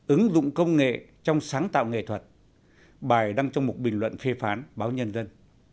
ứng dụng công nghệ trong sáng tạo nghệ thuật bài đăng trong một bình luận phê phán báo nhân dân